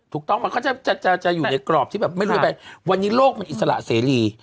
ถูกต้องมันก็จะอยู่ในกรอบที่แบบไม่รู้จะไปวันนี้โลกมันอิสระเสรี